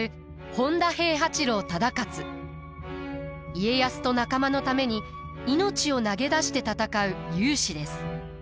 家康と仲間のために命を投げ出して戦う勇士です。